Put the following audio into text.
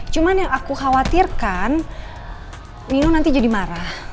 cuma yang aku khawatirkan nino nanti jadi marah